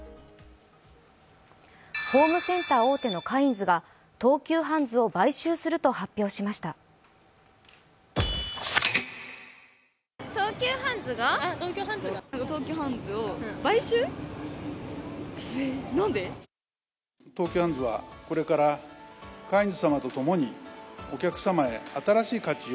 ホームセンター大手のカインズが東急ハンズを買収すると発表しました。